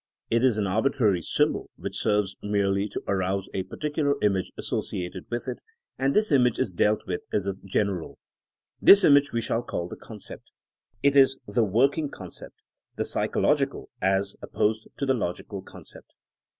It is an arbitrary symbol which serves merely to arouse a particular image asso ciated with it, and this image is dealt with as if general. This image we shall call the concept. It is the working concept: the psychological as opposed to the logical concept.